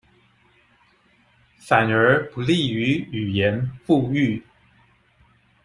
反而不利於語言復育